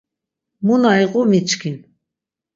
Mu na iqu miçkin.